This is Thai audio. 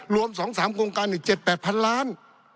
รวม๒๓โครงการอีก๗๘พันล้าน